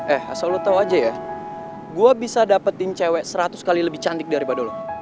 eh asal lo tau aja ya gue bisa dapetin cewek seratus x lebih cantik daripada lo